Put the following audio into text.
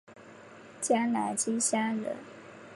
江南金山人。